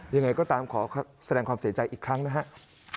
ยังไงก็ตามขอแสดงความเสียใจอีกครั้งนะครับ